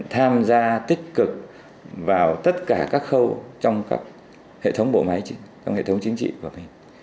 tham gia tích cực vào tất cả các khâu trong hệ thống bộ máy trong hệ thống chính trị của mình